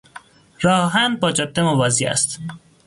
راه آهن با جاده موازی است.